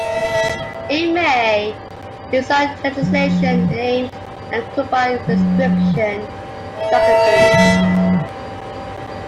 In May, he signed legislation aimed at curbing prescription drug abuse.